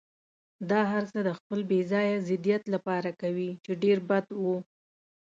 دا هرڅه د خپل بې ځایه ضدیت لپاره کوي، چې ډېر بد و.